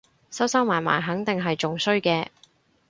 收收埋埋肯定係仲衰嘅